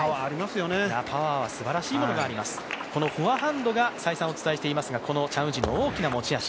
このフォアハンドが、再三お伝えしていますが、このチャン・ウジンの大きな持ち味